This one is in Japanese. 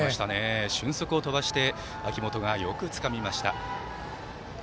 俊足を飛ばして秋元が、よくつかみました。